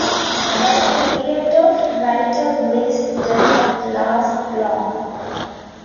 But the period of marital bliss does not last long.